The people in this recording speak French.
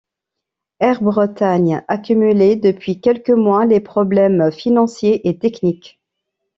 Air Bretagne accumulait depuis quelques mois les problèmes financiers et techniques.